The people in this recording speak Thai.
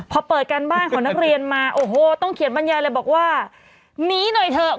พอเปิดการบ้านของนักเรียนมาโอ้โหต้องเขียนบรรยายเลยบอกว่าหนีหน่อยเถอะ